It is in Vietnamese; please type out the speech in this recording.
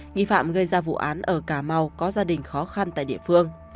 nghi phạm gây ra vụ án ở cà mau có gia đình khó khăn tại địa phương